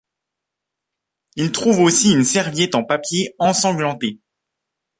Ils trouvent aussi une serviette en papier ensanglantée.